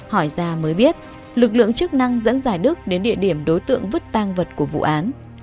hỏi ra mới biết lực lượng chức năng dẫn giải đức đến địa điểm đối tượng vứt tang vật của vụ án